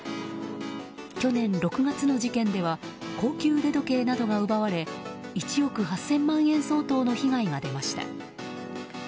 去年６月の事件では高級腕時計などが奪われ１億８０００万円相当の被害が出ました。